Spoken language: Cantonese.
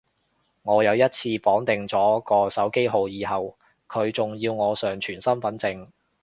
我有一次綁定咗個手機號以後，佢仲要我上傳身份證